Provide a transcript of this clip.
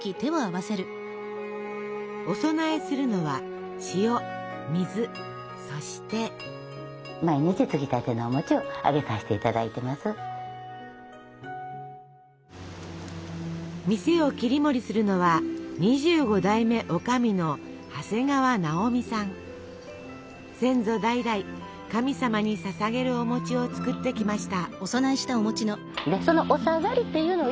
お供えするのは塩水そして。店を切り盛りするのは２５代目先祖代々神様にささげるお餅を作ってきました。